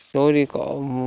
tôi đi có